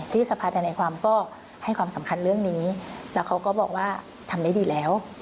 สภาธนาความก็ให้ความสำคัญเรื่องนี้แล้วเขาก็บอกว่าทำได้ดีแล้ว